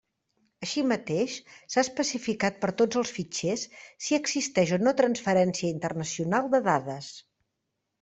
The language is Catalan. Així mateix, s'ha especificat per tots els fitxers, si existeix o no transferència internacional de dades.